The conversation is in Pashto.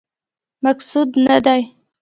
مقصود نه دی.